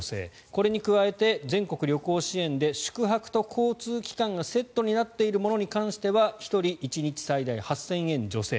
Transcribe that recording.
これに加えて全国旅行支援で宿泊と交通機関がセットになっているものに関しては１人１日最大８０００円助成。